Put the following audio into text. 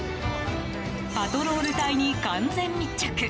パトロール隊に完全密着。